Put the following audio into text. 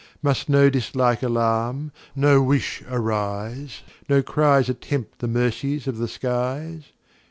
Must no Dislike alarm, no Wishes rise, No Cries attempt the Mercies of the Skies?